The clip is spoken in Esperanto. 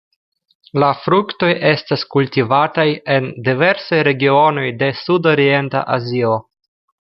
La fruktoj estas kultivataj en diversaj regionoj de sudorienta Azio.